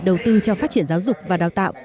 đầu tư cho phát triển giáo dục và đào tạo